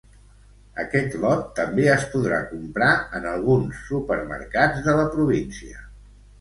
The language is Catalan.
Aquest lot també es podrà comprar en alguns supermercats de la província.